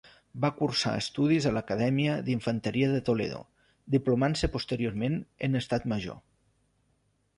Va cursar estudis a l'Acadèmia d'Infanteria de Toledo, diplomant-se posteriorment en Estat Major.